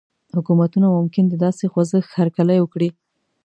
حکومتونه ممکن د داسې خوځښت هرکلی وکړي.